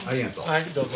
はいどうぞ。